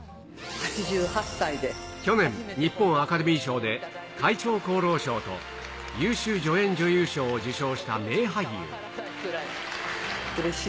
去年、日本アカデミー賞で、会長功労賞と優秀助演女優賞を受賞した名俳優。